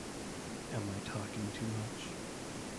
Am I talking too much?